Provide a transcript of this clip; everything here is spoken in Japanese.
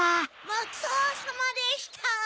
ごちそうさまでした！